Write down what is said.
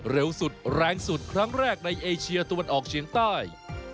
เร็วสุดแรงสุดครั้งแรกในเอเชียตะวันออกเฉียงใต้